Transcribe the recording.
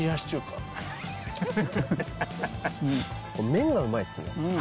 麺がうまいっすね。